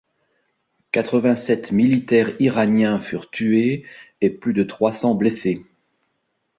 Quatre-vingt-sept militaires iraniens furent tués et plus de trois cents blessés.